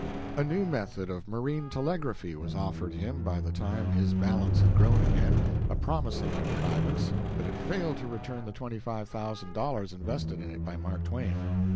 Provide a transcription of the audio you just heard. A new method of marine telegraphy was offered him by the time his balance had grown again, a promising contrivance, but it failed to return the twenty five thousand dollars invested in it by Mark Twain.